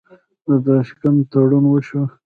د تاشکند تړون وشو.